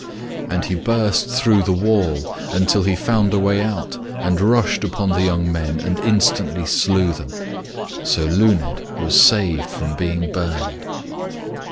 And he brust through the wall, until he found a way out, and rushed upon the young men and instantly slew them. So Luned was saved from being burned.